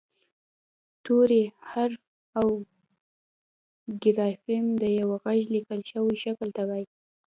توری حرف او ګرافیم د یوه غږ لیکل شوي شکل ته وايي